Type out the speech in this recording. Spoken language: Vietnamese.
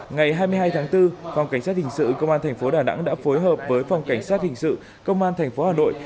ngày hai mươi hai tháng bốn phòng cánh sát hình sự công an tp đà nẵng đã phối hợp với phòng cánh sát hình sự công an tp hà nội